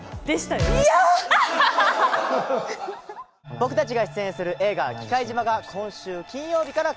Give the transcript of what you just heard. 僕たちが出演する映画『忌怪島』が今週金曜日から公開となります。